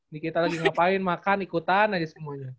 nikita lagi ngapain makan ikutan aja semuanya